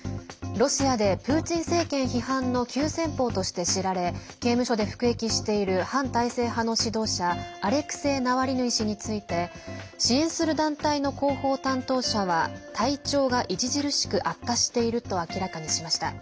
ロシアでプーチン政権批判の急先ぽうとして知られ刑務所で服役している反体制派の指導者アレクセイ・ナワリヌイ氏について支援する団体の広報担当者は体調が著しく悪化していると明らかにしました。